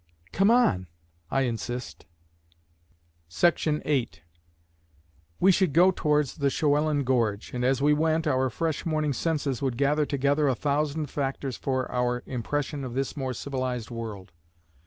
"Come on," I insist. Section 8 We should go towards the Schoellenen gorge, and as we went, our fresh morning senses would gather together a thousand factors for our impression of this more civilised world.